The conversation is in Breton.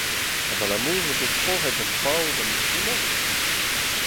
Abalamour eo bet troc’het ur pav d’am pemoc’h ?